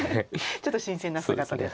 ちょっと新鮮な姿です。